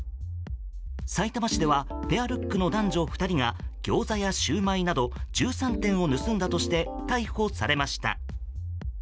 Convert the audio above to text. さいたま市ではペアルックの男女２人がギョーザやシューマイなど１３点を盗んだとして逮捕されました。